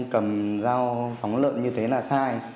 cầm dao phóng lợn như thế là sai